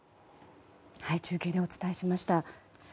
中継でお伝えしました。